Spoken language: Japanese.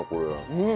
うん。